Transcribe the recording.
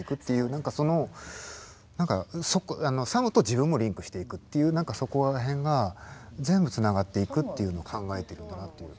何かそのサムと自分もリンクしていくっていう何かそこら辺が全部繋がっていくっていうのを考えてるんだなっていう。